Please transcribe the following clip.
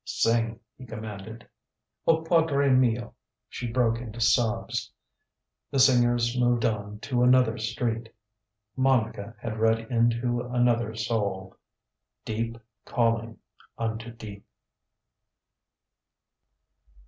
SING he commanded. O PADRE MIO she broke into sobs. The singers moved on to another street. MONICA had read into another soul. DEEP calling unto deep.